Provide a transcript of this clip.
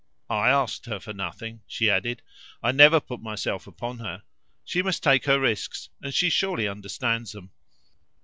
I asked her for nothing," she added; "I never put myself upon her. She must take her risks, and she surely understands them.